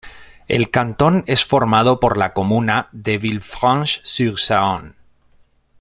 El cantón es formado por la comuna de Villefranche-sur-Saône.